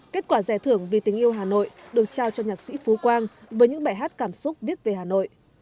kết quả giải thưởng vì tình yêu hà nội được trao cho nhạc sĩ phú quang với những bài hát cảm xúc viết về hà nội